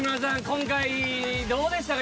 今回どうでしたか？